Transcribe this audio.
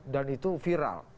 dan itu viral